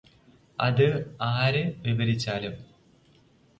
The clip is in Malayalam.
അത് ആര് വിവരിച്ചാലും